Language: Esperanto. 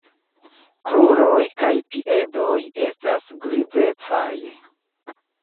Kruroj kaj piedoj estas grizecaj.